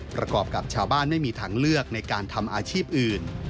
ประกอบกับชาวบ้านไม่มีทางเลือกในการทำอาชีพอื่น